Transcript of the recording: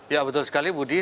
ya betul sekali budi